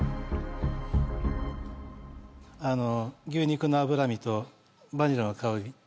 あの牛肉の脂身とバニラの香り